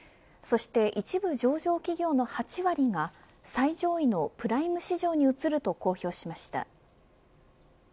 そして、１部上場企業の８割が最上位のプライム市場に移ると公表しました。